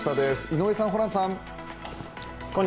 井上さん、ホランさん。